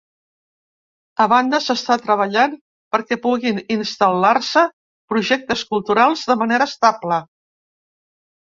A banda, s’està treballant perquè puguin instal·lar-se projectes culturals de manera estable.